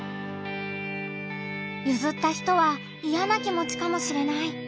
ゆずった人はイヤな気持ちかもしれない。